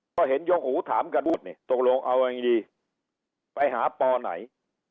ก็เห็นยกหูถามกันวุ่นนี่ตกลงเอาอย่างนี้ดีไปหาปอไหน